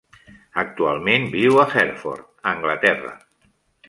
Actualment viu a Hereford (Anglaterra).